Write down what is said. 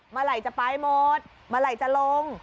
เมื่อไหร่จะไปหมดเมื่อไหร่จะลง